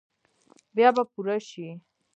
بیا به پوره شي ؟